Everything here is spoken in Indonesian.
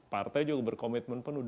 partai juga berkomitmen penuh